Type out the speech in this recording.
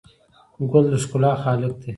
ګل د ښکلا خالق دی.